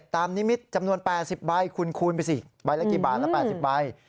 นิมิตรจำนวน๘๐ใบคุณคูณไปสิใบละกี่บาทละ๘๐ใบ